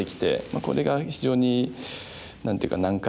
これが非常に何て言うか難解で。